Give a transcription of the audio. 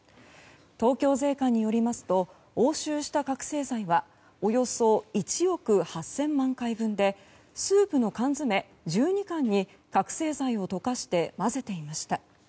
東京税関によりますと押収した覚醒剤はおよそ１億８０００万回分でスープの缶詰１２缶に覚醒剤を溶かして混ぜていました。